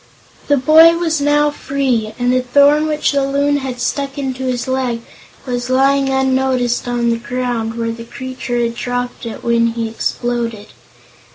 The boy was now free, and the thorn which the Loon had stuck into his leg was lying unnoticed on the ground, where the creature had dropped it when he exploded.